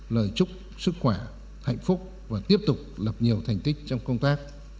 lời chúc sức khỏe hạnh phúc và tiếp tục lập nhiều thành tích trong công tác